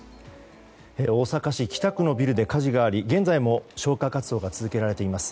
大阪市北区のビルで火事があり現在も消火活動が続けられています。